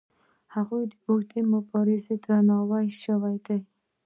هغو اوږدو مبارزو ته درناوی شوی دی.